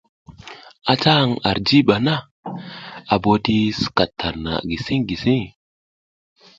A ca hang ar jiba na, a bo ti skat tarna gising gising.